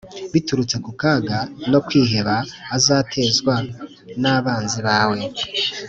biturutse ku kaga no kwiheba azatezwa n’abanzi bawe